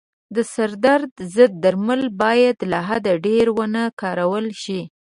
د سردرد ضد درمل باید له حده ډېر و نه کارول شي.